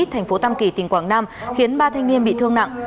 thành phố tam kỳ tỉnh quảng nam khiến ba thanh niên bị thương nặng